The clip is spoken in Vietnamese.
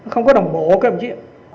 không có đồng bộ cái gì